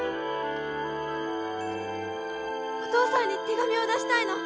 お父さんに手紙を出したいの。